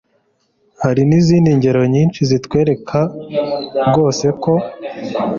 hari n'izindi ngero nyinshi zitwereka rwose ko